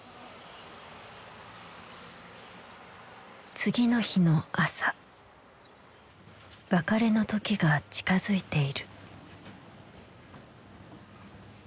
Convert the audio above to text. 次の日の朝別れの時が近づいている。